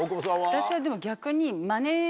私はでも逆に。